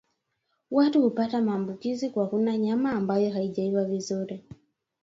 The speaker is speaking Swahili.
Watu hupata maambukizi kwa kula nyama ambayo haijaiva vizuri